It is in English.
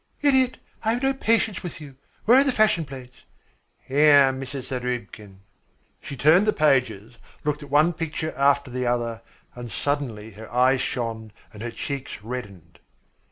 "Idiot! I have no patience with you. Where are the fashion plates?" "Here, Mrs. Zarubkin." She turned the pages, looked at one picture after the other, and suddenly her eyes shone and her cheeks reddened.